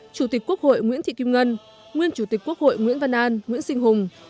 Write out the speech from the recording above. chủ tịch quốc hội nguyễn thị kim ngân nguyên chủ tịch quốc hội nguyễn văn an nguyễn sinh hùng